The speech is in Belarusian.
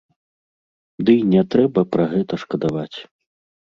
Дый не трэба пра гэта шкадаваць.